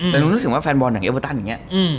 แต่นุ่มนึกถึงว่าแฟนบอลหนังเอเวอตันอย่างนี้